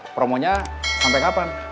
promonya sampai kapan